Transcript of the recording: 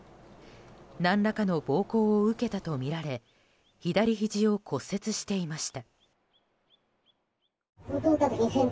何らかの暴行を受けたとみられ左ひじを骨折していました。